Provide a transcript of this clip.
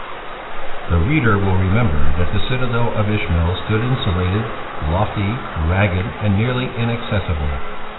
The reader will remember that the citadel of Ishmael stood insulated, lofty, ragged, and nearly inaccessible.